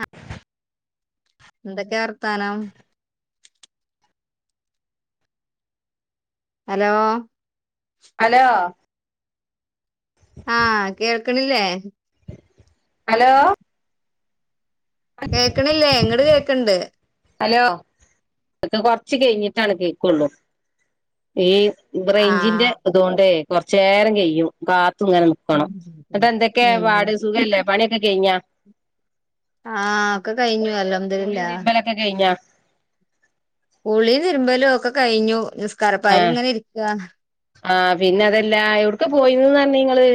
ആ എന്തൊക്കെ വർത്താനം ഹലോ. അലോ. ആ കേൾക്കണില്ലേ. ഹലോ കേക്കണില്ലേ എങ്ങട് കേക്കുണ്ട്. ഹലോ ഇക്ക് കൊറച്ച് കഴിഞ്ഞിട്ടാണ് കേക്കുള്ളൂ ഈ. ബ്രഞ്ചിന്റെ ആഹ് ഇതുകൊണ്ടേ കൊറച്ച് നേരം കഴിയും കാ ങ്ങനെ നിക്കണം. ഇങ്ങട്ട് എന്തൊക്കെ ഉം പാട് സുഖല്ലേ പണിയൊക്കെ കഴിന്നോട? ആഹ് ഒക്കെ കഴിഞ്ഞു അൽഹംദുലില്ലാഹ്. കഴിഞ്ഞ ഉളി തിരുമ്പലും ഒക്കെ കഴിഞ്ഞു. ആ നിസ്കാരപ്പായിൽ ഇങ്ങനെ ഇരിക്കാ ആ പിന്നെ അതെല്ലാ എട്ക്കാ പോയത് പർഞ്ഞ്ങ്ങള്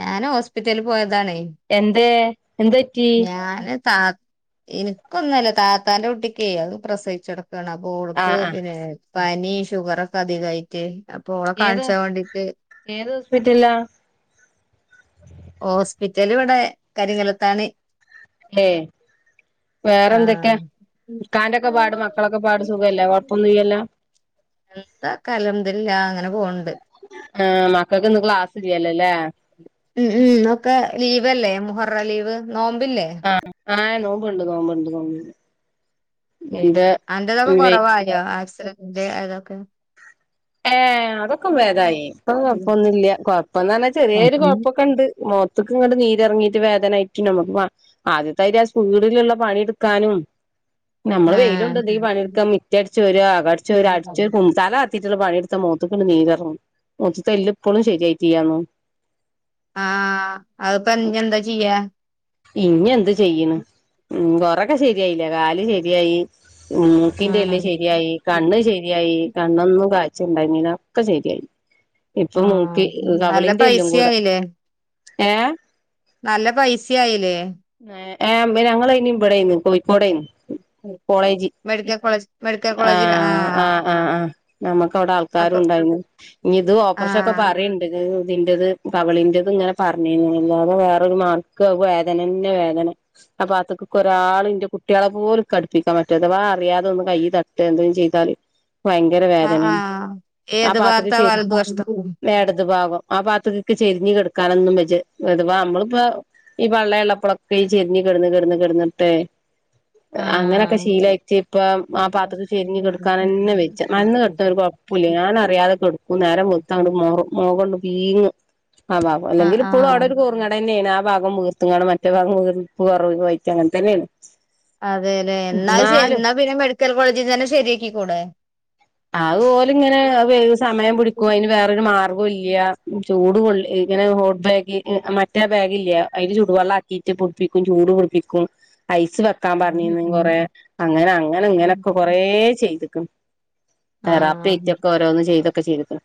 ഞാൻ ഹോസ്പിറ്റലിൽ പോയതാ. എന്ത് പറ്റി ഞാന് താ എനിക്കൊന്നല്ല താത്താന്റെ കുട്ടിക്കെ അത് പ്രസവിച്ചട് ക്കണ് അപ്പ ഓൾക് ആഹ് ആഹ് പിന്നെ പനി ഷുഗറോക്കെ അധികായിട്ട് അപ്പൊ ഓളെ ഏത് കാൺച്ചാ വേണ്ടീട്ട് ഏത് ഹോസ്പിറ്റലിലാ ഹോസ്പിറ്റല് ഇവടെ കരിങ്കലത്താണി ഏ വേറെ എന്തൊക്കെ ആഹ് ഇക്കാന്റൊക്കെ പാട്, മക്കളൊക്കെ പാട് സുഖല്ലേ കൊഴ്പ്പൊന്നുല്ലല്ലോ? എന്താ ആക്കാം അൽഹംദുലില്ലാ അങ്ങനെ പോണ് ഉണ്ട്. ആഹ് മക്കൾക്ക് ഇന്ന് ക്ലാസ് ഇല്ലല്ലോ അല്ലേ ഉം ഉം ഒക്കെ ലീവല്ലേ മുഹ [unintelligible] ലീവ് നോമ്പില്ലേ? ആഹ് ആഹ് നോമ്പ് ഉണ്ട്, നോമ്പ് ഉണ്ട്, നോമ്പ് ഉണ്ട്. അന്റെതൊക്കെ കൊറവായോ ആക്സിഡന്റെ അതൊക്കെ ഏ അതൊക്കെ വേതായി ഇപ്പൊ കൊഴ്പ്പൊന്നുല്ല കൊഴ്പ്പന്ന് പർഞ്ഞാ ചെറേരു കൊഴപ്പൊക്കെണ്ട് മോ തക്ക് ഇങ്ങട് നീരിറങ്ങീട്ട് വേദനയയിറ്റു നമുക്ക് പ ആദ്യത്തെ മാതിരി ആ സ്പീടിലുള്ള പണി എടുക്കാനും. നമ്മള് ആഹ് വെയിലൊണ്ട് എന്തെങ്കിലും പണിയെടുക്ക മിറ്റം അടിച്ചു വാര്യാ അകം അടിച്ചു വാര്യാ അടിച്ച് കും തല [unintelligible] പണിയെട്ത്ത മോത്ക്കങ്ങ് നീരർങ്ങും, മോത്ത്തെല്ല് ഇപ്പളും ശെരിയായിട്ടില്ലാന്നു. ആ ആ അത്പ്പ ഇനി എന്താ ചെയ്യാ ഇനി എന്ത് ചെയ്യ്ണ് ഉം കൊറേക്കെ ശരിയായില്ലെ കാല് ശെരിയായി മൂക്കിന്റെ ആഹ് എല്ല് ശെരിയായി കണ്ണ് ശരിയായി കണ്ണൊന്നും കാഴ് [unintelligible] ഒക്കെ ശെരിയായി. ഇപ്പം മൂക്ക് ആഹ് നല്ല കവളിന്റെ എല്ലും കൂടെ പൈസയായില്ലേ ഏ നല്ല പൈസയായില്ലേ? ആ ഞങ്ങളയ്ന് ഇബടെനി കോഴിക്കോടെനി കോളേജ് മെഡിക്കൽ കോളേജ് മെഡിക്കൽ ആ കോളേജിൽ ആ ആഹ് ആ ആഹ് നമുക്ക് ഔടെ അപ്പൊ ആൾക്കാരുണ്ടായീന്നു. ഇനി ഇത് ഓപ്പ്റഷൊക്കെ ആഹ് പ പറിണ്ട്ലേ ഇതിന്റെത് കവിളിന്റെത് ഇങ്ങനെ പർ ഞ്ഞീനി അല്ലാതെ വേറൊരു [unintelligible] വേദനന്നെ വേദന അപ്പൊ ഭാഗത്തുക്ക്ക്കെ ഒരാള് ഇന്റെ കുട്ടികളെ പോലും ഇക്ക് കടുപ്പിക്കാൻ പറ്റൂല അവ അറിയാതെ ഒന്ന് കയ്യി [unintelligible] എന്തേ ചെയ്താല് ഭയങ്കര ആഹ് വേദനേണ്. ആഹ് ആ ഏത് പാത്ത്ക്ക് ഭാഗത്താ ചെർ വലതു വശത്തോ എട്ത് ഭാഗം. ആ ഭാഗത്ത്‌ക്ക് ചെരിഞ്ഞ് കെടുക്കാനൊന്നും വെജ് അഥവാ നമ്മളിപ്പോ ഈ പള്ള ഉള്ളപ്പോളൊക്കെ ഈ ചെരിഞ്ഞി കെട്ന്ന് കെട്ന്ന് കെട്ന്നിട്ടെ അങ്ങനെക്കെ ശീലായിറ്റ് ഇപ്പം ആ പാ ത്ത് ചെർഞ്ഞ് കെട്ക്കാനെന്നെ വെജ മലർന്ന് കെട്ത്തം ഒരു കൊഴ്പ്പുല്ലേനി, ഞാനറിയാതെകെട്ക്കും നേരം വെള്ത്തങ്ങട്ട് മാറും. [unintelligible] കൊണ്ട് പീങ് ആ ഭാഗം ആഹ് അല്ലെങ്കിൽ ഇപ്പോളും അവിടെ ആഹ് ഒരു കുറങ്ങേട് തന്നെയാണ്. ഭാഗം വീർത്ത്ങ്കാണ്ട് മറ്റേ ഭാഗം വീർപ്പ് കൊർവ് [unintelligible] അങ്ങൻ തന്നെയാണ്. അതെല്ലേ എന്നാ ശ എന്നാലും എന്നാ പിന്നെ മെഡിക്കൽ കോളേജിൽ തന്നെ ശെരിയാക്കി കൂടെ. അതു ഓല് ഇങ്ങനെ വെ സമയം പിടിക്കും അതിന് വേറൊരു മാർഗോ ഇല്ല്യാ. ചൂട് കൊള്ളി ങ്ങനെ ഹോട്ട് ബാഗ് ഹ് മറ്റേ ബാഗില്ലെ അയ്ല് ചൂടുവെള്ള ആക്കീട്ട് പുട്പ്പിക്കും ചൂ ഉരുളിപ്പിക്കും ഐസ് വെക്കാൻ പറഞ്ഞിന്ന കൊറ അങ്ങനെ അങ്ങനെ ഇങ്ങനെയൊക്കെ കൊറ ചെയ്ത്ക്ക്ണ് തെറാപ്പി ആഹ് ആയിറ്റൊക്കെ ഓരോന്നും ചെയ്തൊക്കെ ചെയ്ത്ക്ക്ണ്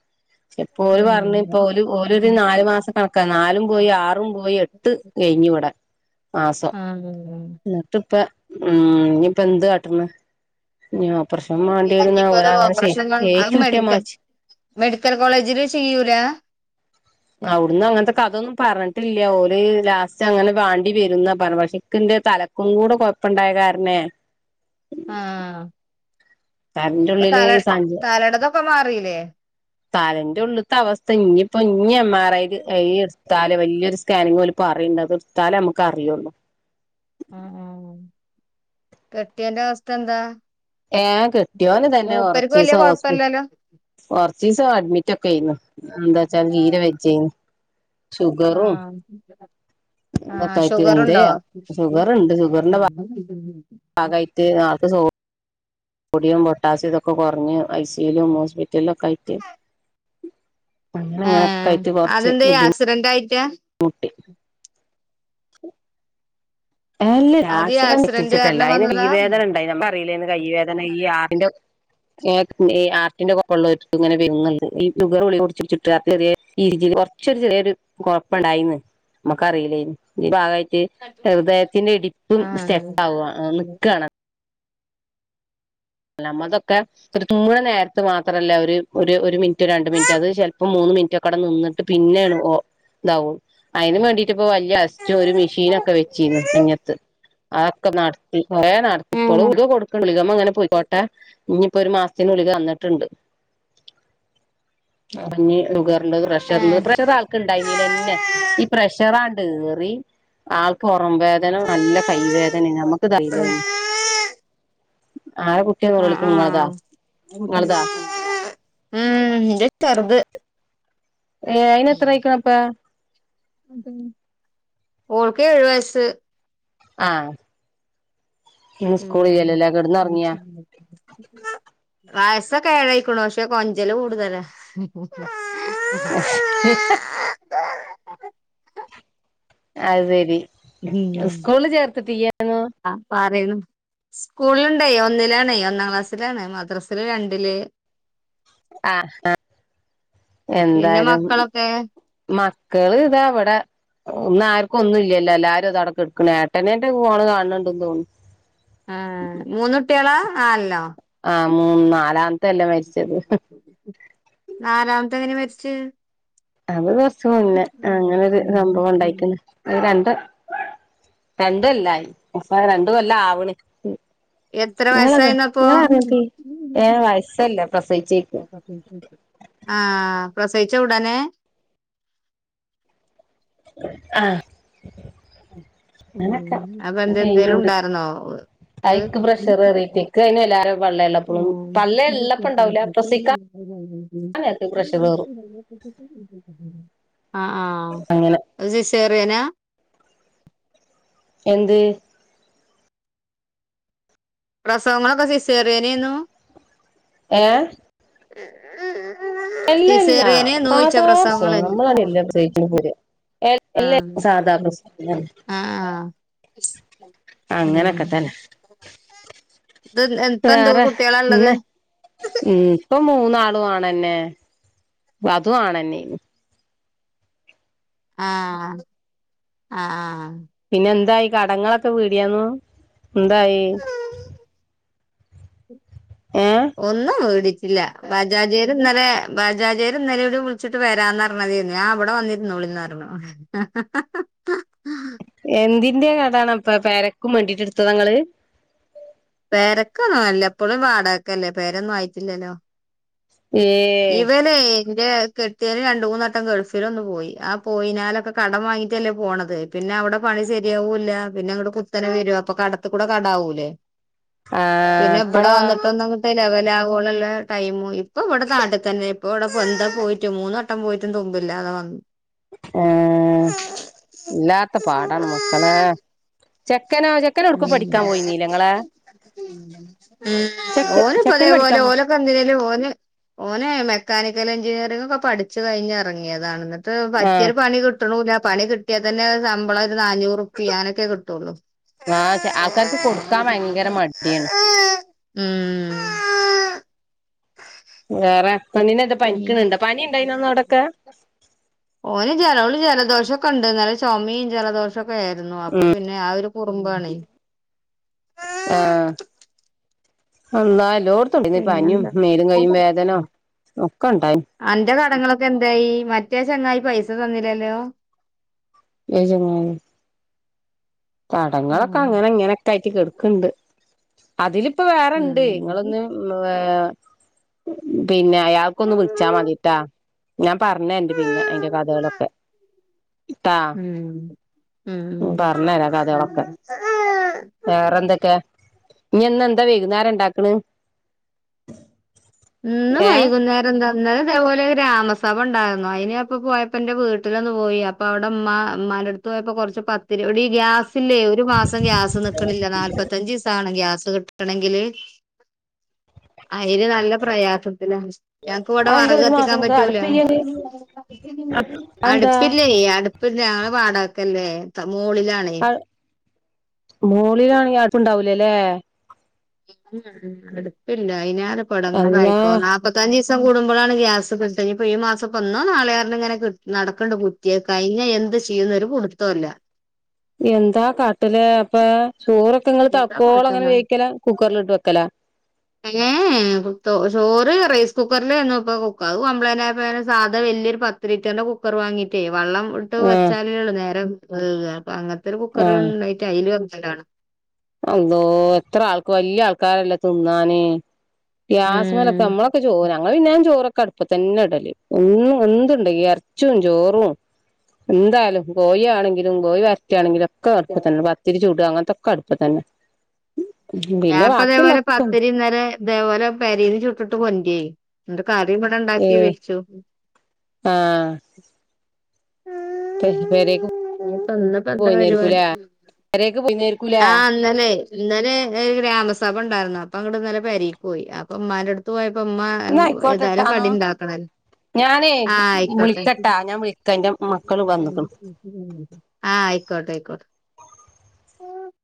ഇപ്പൊൾ പറഞ്ഞ് പ്പോ ഓലരു ഉം നാല് മാസം കണക്കാ നാലും പോയി ആറും പോയി എട്ട് കഴിഞ്ഞു [unintelligible] ആഹ ന്ന്ട്ട്പ്പ ഉം ഞ്ഞിപ്പ എന്ത് കാട്ട്ണ് ഞ്ഞി ഓപ്പർഷം മാണ്ടിരും ന്നാ [inaudible] [unintelligible] മെഡിക്കൽ കോളേജില് ചെയ്യൂല അവിടന്ന് അങ്ങനത്തെ കഥൊന്നും പറഞ്ഞ ട്ടില്ല ഒരു ലാസ്റ്റ് അങ്ങനെ വാണ്ടി വരുന്നാ പറ പക്ഷെക്കിന്റെ തലക്കും കൂടെ കുഴപ്പുണ്ടായ കാരണേ [inaudible] ആഹ തലന്റെ ഇപ്പൊ ഉള്ളില് തല സഞ്ച തലടതൊക്കെ മാറില്ലേ? തലന്റെ ഉള്ളത്തെ അവസ്ഥ ഇനിയിപ്പോ ഇനി എംമാറായി [unintelligible] സ്കാനിങ് പോല പറയണ്ടത്ത്താലേ നമുക്ക്റിയുള്ളൂ ഉം ഉം കെട്ടിയന്റെ അവസ്ഥ എന്താ? ഏ കിട്ടിയോന തന്നെ മൂപ്പർക്ക് കൊറച്ച് വല്യ [unintelligible] കൊഴപ്പല്ലല്ലോ ച്ചീസം അഡ്മിറ്റ് ഒക്കെയുന്നു എന്താ ച്ചാ തീരെ വെജിയ്ന് ആഹ ആഹ ഇതൊക്കെ ആയിട്ട് ഷുഗർുണ്ടോ എന്തേയാവോ ആാകായിട്ട് ആൾക്ക് സോ സോഡിയം, പൊട്ടാസ്യം, തൊക്കെ കുറഞ്ഞ് ഐസിയിലും ഹോസ്പിറ്റലിലും ഒക്കെ ആയിറ്റ് അങ്ങന ഇങ്ങനെയൊക്കെ ഏഹ് ആയിട്ട് കുറച്ച് അതെന്തേ ബുദ്ധിമു ആക്സിഡന്റ് ആയിട്ടാ മുട്ടി. [unintelligible] [unintelligible] അത് ഈ ആക്സിഡന്റ് കാരണം വന്നതാ ഇ കൊറച്ചൊരു ചെറിയൊരു കുഴപ്പുണ്ടായിന്ന് നമക്കറീലേയ്ന്നു ഈ ഭാഗയ് റ്റ് ഹൃദയത്തിന്റെ ഇടിപ്പും സ്റ്റെക്ക് ആഹ് ആവ നിക്കാണ്. [unintelligible] നേരത്ത് മാത്രല്ല ഒരു ഒരു മിനിറ്റ് രണ്ട് മിനിറ്റ് അത് ചിലപ്പോം മൂന്ന് [unintelligible] ഇതാവും അതിന് വേണ്ടിട്ട് ഇപ്പോ വലിയ അസ്റ്റ ഒരു മെഷീനോക്കെ വെച്ചീനു നെഞ്ഞത്ത്. അതൊക്കെ നടത്തി കൊറേ നടത്തിപ്പോളും ഏഹ് ഗുക കൊടക്കുണ്ട് ഗുളികമ്മേ ഇങ്ങനെ പൊയ്ക്കോ കൊടുക്ക അങ്ങനെ പോയി ട്ടെ ഇഞ്ഞിപ്പൊ ഒരു മാസത്തിന ഉളിക തന്നിട്ടുണ്ട് [unintelligible] ഷുഗർ ഉണ്ട് പ്രഷർണ്ട് ഏഹ് പ്രഷർ ആൾക്കണ്ടായി നീലന്നെ ഈ പ്രഷർ ആൺ ഏറി ആൾക്ക് മൊ പുറം വേദന നല്ല കൈവേദനേം നമ്മക്ക് തറീലേയ്ന് [unintelligible] ഏ അയിന് എത്രഅയ്ക്ക്ണ് എപ്പേ ഓൾക്ക് ഏഴു വയസ് ആഹ [unintelligible] വയസ്സൊക്കെ ഏഴ് അയക്കുണു പക്ഷെ കൊഞ്ചല് കൂടുതല. [unintelligible] അത് ശരി ഉം സ്കൂള് ചേർത്തിട്ടയ്യെന്നു സ്കൂളുണ്ടേയ് ഒന്നിലാണ് ഒന്നാം ക്ലാസ്സിലാണ് മദ്രാസില് രണ്ടില് ആഹ് ആഹ പിന്നെ എന്തായാലും മക്കളൊക്കെ മക്കള് ഇത അവിടെ ഇന്ന് ആർക്കും ഒന്നും ഇല്ല്യല്ലോ എല്ലാരും അത അവ്ടെ കെട്ക്ക്ണ് ഏട്ടനേറ്റ കോൾ കാണ്നുണ്ട് തോണ്നു എടുക്കണ ഏട്ടനേന്റെ പോണ് കാണണ്ട്ന്ന് തോന്നുന്നു ആ മൂന്നുട്ടികളോ ആല്ലോ [unintelligible] മരിച്ചത് നാലാമത്തെങ്ങനെ മരിച്ച് അത് കൊറച്ചു മുന്നെ അങ്ങനൊരു സംഭവണ്ടയ്ക്ക്ണ് ര രണ്ടൊല്ലായി ആ രണ്ട് കൊല്ലാവ്ണ് എത്ര നിങ്ങളതാ വയസ്സായിന്നപ്പോ നിങ്ങള അറിഞ്ഞ വയസ്സയില്ല പ്രസവിച്ചേക്ക് ആഹ് പ്രസവിച്ച ഉടനെ ആഹ് ഉ [inaudible] ഉം അങ്ങനൊക്കെ അപ്പൊന്തേ കഴിഞ്ഞൂട് എന്തേലുണ്ടർന്നോ ത് അത് ഇക്ക് പ്രഷർ കേറിട്ടെ ഇക്ക് അയിന് വല്ലാതെ പള്ളേള്ളപ്പളും ആഹ് പള്ള ഇള്ളപ്പ ഇണ്ടാവൂല പ്രസവിക്കാൻ ക്ക് പ്രഷർ കേറും [inaudible] ആഹ് അങ്ങനെ ആഹ് സിസേറിയനാ എന്ത് പ്രസവങ്ങളൊക്കെ സിസേറിയനേയ്ന്നു ഏഹ് അല്ല അല്ല സിസേറിയനെര്ന്നോയിച്ച സാധാ പ്രസവം പ്രസവങ്ങളെ നമ്മളാടല്ലേ പ്രസവിക്ക്ണ പോര എല്ല ആഹ് സാധാ പ്രസവം തന്നെ അആഹ് അങ്ങനൊക്കെത്തന്നെ ഇത് ഇപ്പ എന്ത് വേറെ കുട്ടികളാ ഉള്ളത് പിന്നെ ഇപ്പൊ മൂന്നാളു ആണ് തന്നെ അതു ആണെന്നെ ആഹ് ആഹ് ആഹ് പിന്നെ എന്തായി കടങ്ങളൊക്കെ വീടിയേന്നു എന്തായി ഏ ഒന്നും വീടി ബജാജേർ ഇന്നലെ ബജാജേർ ഇന്നലൂടി വിളിച്ചിട്ട് വരാന്നറഞ്ഞതേനു ആ ഇവടെ വന്നിരുന്നു [unintelligible] എന്തിന്റെ കടാണപ്പൊ പെരക്കും വേണ്ടീട്ടെടുത്തതാങ്ങള് പെരക്കൊന്നല്ല ഇപ്പഴും വാടകക്കെല്ലേ പെരൊന്നു ആയിട്ടില്ലല്ലോ ഏ ഇവനെ എന്റെ കെട്ടിയോൻ രണ്ടുമൂന്നാലട്ടം ഗൾഫിലൊന്ന് പോയി ആ പോയിതിനാലൊക്കെ കടം വാങ്ങിട്ടല്ലേ പോണത് പിന്നെ അവിടെ അത് ശരിയാവൂല്ല പിന്നങ്ങട്ട് കുത്തനെ വരു അപ്പൊ കടത്തുക്കുടെ കടാവൂലേ ആ പിന്നെബടെ ഇപ്പളോ വന്നിട്ടൊന്ന്ങ്ങ്ട്ട് ലെവലാവോളള്ള ടൈമും ഇപ്പ ഇവടെ നാട്ടിതന്നെ ഇപ്പ ഇവിടെ എന്ത പോയിട്ട് മൂന്നട്ടം പോയിട്ടും തു ല്ലാതെ വന്ന് ആ ഇല്ലാത്ത പാടാണ് മക്കളെ ചെ ചെക്കനെടുക്കോ പഠിക്കാൻ പോയീന്നിലേങ്ങളെ ഉ ചെക്കന് ഓനിപ്പതേപോലെ പഠിക്കാൻ പോയി ഓനൊക്കെന്തിനേലും ഓന് ഓനെ മെക്കാനിക്കൽ എഞ്ചിനീയറിങൊക്കെ പഠിച്ചു കഴിഞ്ഞെറങ്യേതാണ് ന്നിട്ട് ആ പറ്റിയൊരു പണി കിട്ട കിട്ടണൂല്ല പണി കിട്ട്യാതന്നെ ശമ്പളം ഒരു നാനൂറുപ്പ്യങ്ങനൊക്കെ കിട്ടൊള്ളൂ ആഹ ആൾക്കാർക്ക് കൊടുക്കാൻ വയങ്കര മടിയാണ് ഉം വേറെ പെണ്ണിനെന്ത പനിക്ക്ണണ്ട പനിണ്ടായിന്നാവടൊക്കെ ഓന് ജലവും ജലദോഷൊക്കണ്ട് നലെ ചോമീം ജലദോഷൊക്കെ ആരുന്നു അപ്പൊപിന്നെ ആ ഒരു കുറുമ്പാണേ ആഹ എന്നാല് ലോട്ത്തുണ്ടി പനിയും പിന്നെന്താ മേലും കൈയ്യും വേദനോം അന്റെ കടങ്ങളൊക്കെന്തായി മറ്റേ ചങ്ങായി പൈസ ഇത് തന്നില്ലല്ലേോ [unintelligible] ഉം കടങ്ങളൊക്കങ്ങനെങ്ങനൊക്കായിട്ട് കിടക്കുന്നുണ്ട് അതില് ഇപ്പൊ വേറണ്ട് ഉം ങ്ങളൊന്ന് വേ പിന്നെ അൾക്കൊന്ന് വിളിച്ചാ മതിട്ടാ ഞാൻ പറഞ്ഞരന്റ് പിന്നെ അയിന്റെ കഥകളൊക്കെ ട്ടാ പറഞ്ഞരാ കഥകളൊക്കെ [unintelligible] ഇഞ് എന്താ വൈകുന്നേരം ഉണ്ടാക്കണ് ഉന്ന് വൈകുന്നേരം എന്താ ഇന്നലതേപോലെ ഗ്രാമസഭ ഉണ്ടായിരുന്നു അയിനി അപ്പ പോയപ്പോ എന്റെ വീട്ടിലൊന്ന് പോയി അപ്പ അവിടെമ്മ നാലടുത്തു പോയപ്പോ കുറച്ചു പ എടി ഗ്യാസില്ലേ ഒരു മാസം ഗ്യാസ് നിൽക്കനില്ല നാല്പത്തഞ്ച് ദിവസം ആകണ് ഗ്യാസ് കിട്ടണങ്കില് അയില് നല്ല പ്രയാസത്തില ഞങ്ങക്ക് ഇവിടെ അതെന്താ വിറക് ഒരു കത്തിക്കാൻ മാസം നിക്ക പറ്റുല അടുപ്പ് ഇയ്യ് അതെന്താ അടുപ്പില്ലേ അടുപ്പില്ല ഞങ്ങൾ വാടകയ്ക് അല്ലേ മോളിലാണ് മോളിലാണ് എങ്കിൽ ആടുപ്പ് ഇണ്ടാവൂലേല്ലേ ഉം അടുപ്പില്ല അയിനാലു ഇപ്പൊ എടങ്ങാറായിപ്പോ അള്ളാ നാല്പ്പത്തഞ്ചദിവസം കൂടുമ്പോഴാണ് ഗ്യാസ് കിട്ടുക ഈ മാസ ഇന്നോ നാളെയോ ഇങ്ങനെ നടക്കണ്ടണ്ട് കുറ്റി കഴിഞ്ഞ എന്താ എന്ത് ചെയ്യുന്നൊരു പുടുത്തം ഇല്ല എന്താ കാ കാട്ടലെ അപ്പൊ ചോറൊക്കെങ്ങള് എന്താ തക്കോളം അങ്ങനെ വേവിക്കല കുക്കറിലിട്ട് വെക്കല ഞ്ഞേ ഞ്ഞേ ചോറ് റൈസ് കുക്കറിൽആയിരുന്നു ഇപ്പൊ കുക്കർ കംപ്ലയിന്റ് ആയപ്പോ സാധാ വലിയൊരു പത്ത് ലിറ്ററിന്റെ കുക്കർ വാങ്ങീട്ട് വെള്ളം ഇട്ട് ആഹ് വച്ചാലേ ഉള്ളു നേരെ വേവുക അങ്ങനത്തെ ഒരു കുക്കർ ഉണ്ടായി [unintelligible] എന്തോ എത്ര ആൾക്ക് വല്യ ആൾക്കാരല്ല തിന്നാന് ഗ്യാസ് മലൊക്കെ ഉം നമ്മളൊക്കെ ചോ ഞങ്ങൾ പിന്നേം ചോറൊക്കെ കടുപ്പ തന്നെ ഇടല് ഒന്നും എന്തുണ്ട് ഇറച്ചും ചോറും എന്തായാലും കോയി ആണെങ്കിലും കോയി വരറ്റുകയാണെങ്കിലും ഒക്കെ അടുപ്പ തന്നെ പത്തിരി ചുടുക അങ്ങനത്തൊക്കെ അടുപ്പ തന്നെ ഞാൻപ്പ ഇതേപോലെ പത്തിരി ഇന്നലേ ഇതേപോലെ പേരെന്നു ചുട്ടിട്ട് കൊണ്ടായി എന്റെ കറി ഇവിടെ ഉണ്ടാക്കി വെച്ചു ആ ഇന്ന് പ്പ എന്താ പോയിന്നേരിക്കൂലേ പരിപാടി പെരേക്ക് പോയിന്നേരിക്കൂലേ ആ ഇന്നലെ ഇന്നലെ ഗ്രാമസഭ ഉ ഉണ്ടായിരുന്നു അപ്പ അങ്ങോട്ടീനല പേരെ പോയി അപ്പൊ ഉമ്മാന്റെ അടുത്ത് പോ ഉമ്മ ന്നാ ഏതായാലും ആയിക്കോട്ടെട്ടാന്നോ കടി ഉണ്ടാക്കണം അല്ലോ ഞാനേ വിളിക്കട്ടാ ഞാൻ വിളിക്ക എന്റെ മക്കള് വന്ന്ക്ക്ണ് ആ ആയിക്കോട്ടെ ആയിക്കോട്ടെ